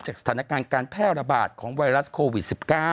สถานการณ์การแพร่ระบาดของไวรัสโควิด๑๙